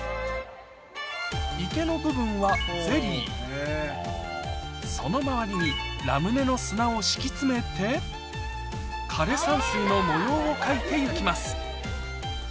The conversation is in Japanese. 池の部分はその周りにラムネの砂を敷き詰めて枯れ山水の模様を描いて行きます